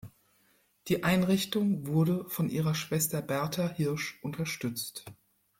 Die Einrichtung wurde von ihrer Schwester Bertha Hirsch unterstützt.